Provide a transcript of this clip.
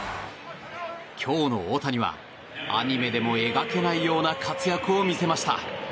今日の大谷はアニメでも描けないような活躍を見せました。